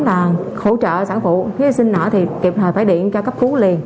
đồng chí thắng là hỗ trợ sản phụ khi sinh nở thì kịp thời phải điện cho cấp cứu liền